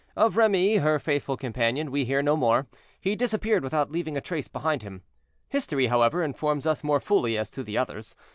Of Remy, her faithful companion, we hear no more: he disappeared without leaving a trace behind him. History, however, informs us more fully as to the others.